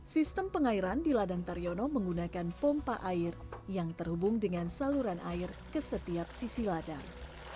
sistem pengairan di ladang taryono menggunakan pompa air yang terhubung dengan saluran air ke setiap sisi ladang